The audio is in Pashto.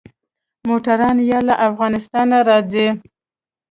موټران يا له افغانستانه راځي.